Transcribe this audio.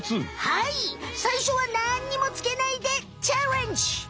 はいさいしょは何にもつけないでチャレンジ！